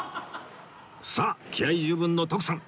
さあ気合十分の徳さん